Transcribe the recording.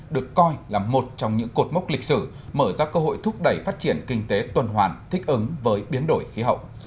được coi là một trong những cột mốc lịch sử mở ra cơ hội thúc đẩy phát triển kinh tế tuần hoàn thích ứng với biến đổi khí hậu